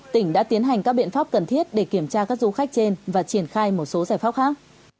tỉnh đã tiến hành các biện pháp cần thiết để kiểm tra các du khách trên và triển khai một số giải pháp khác